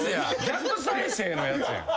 逆再生のやつやん。